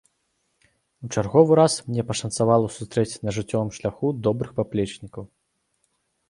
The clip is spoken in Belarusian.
У чарговы раз мне пашанцавала сустрэць на жыццёвым шляху добрых паплечнікаў.